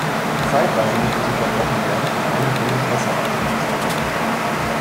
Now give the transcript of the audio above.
Zeitweise mussten sie unterbrochen werden, um eingedrungenes Wasser abpumpen zu können.